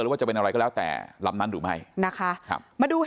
หรือว่าจะเป็นอะไรก็แล้วแต่ลำนั้นหรือไม่นะคะมาดูเฮลิคอปเตอร์